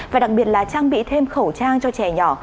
và đặc biệt là trang bị thêm khẩu trang cho trẻ nhỏ